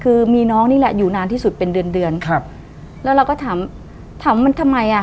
คือมีน้องนี่แหละอยู่นานที่สุดเป็นเดือนเดือนครับแล้วเราก็ถามถามมันทำไมอ่ะ